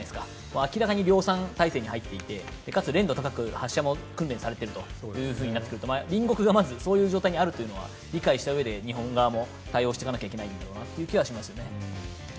明らかに量産体制に入っていてかつ練度高く発射も訓練されてるってなってくると隣国がそういう状態にあるということを理解したうえで日本側も対応していかないといけないですね。